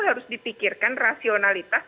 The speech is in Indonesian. harus dipikirkan rasionalitas